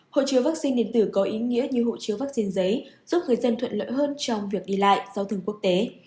hộ chiếu vaccine điện tử có ý nghĩa như hộ chiếu vaccine giấy giúp người dân thuận lợi hơn trong việc đi lại sau thường quốc tế